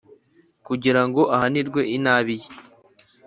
kugira ngo ahanirwe inabi ye.